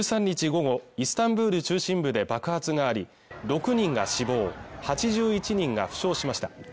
午後イスタンブール中心部で爆発があり６人が死亡８１人が負傷しました